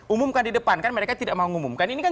umumkan di depan kan mereka tidak mau mengumumkan ini kan